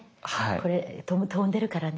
これ跳んでるからね。